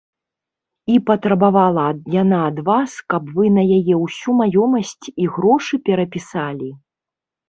І патрабавала яна ад вас, каб вы на яе ўсю маёмасць і грошы перапісалі?